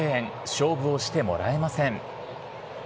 勝負をしてもらえません。